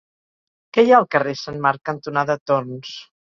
Què hi ha al carrer Sant Marc cantonada Torns?